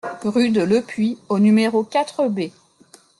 Rue de Lepuix au numéro quatre B